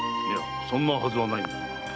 いやそんなはずはないが。